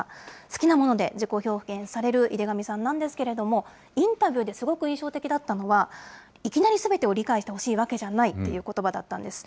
好きなもので自己表現される井手上さんなんですけれども、インタビューですごく印象的だったのは、いきなりすべてを理解してほしいわけじゃないということばだったんです。